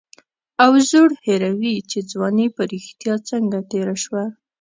او زوړ هېروي چې ځواني په رښتیا څنګه تېره شوه.